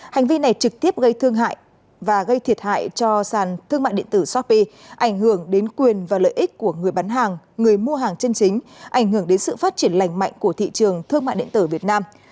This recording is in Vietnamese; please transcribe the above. hành vi này trực tiếp gây thương hại và gây thiệt hại cho sàn thương mại điện tử shopee ảnh hưởng đến quyền và lợi ích của người bán hàng người mua hàng chân chính ảnh hưởng đến sự phát triển lành mạnh của thị trường thương mại điện tử việt nam